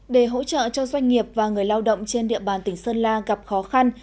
để hỗ trợ cho doanh nghiệp và người lao động trên địa bàn tỉnh sơn la gặp khó khăn